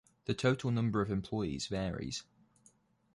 The total number of employees varies.